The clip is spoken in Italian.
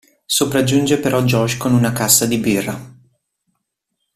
Sopraggiunge però Josh con una cassa di birra.